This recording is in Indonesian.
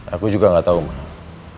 aku juga nggak tahu mbak